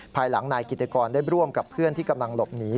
ภายหลังนายกิติกรได้ร่วมกับเพื่อนที่กำลังหลบหนี